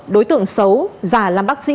đối tượng xấu già làm bác sĩ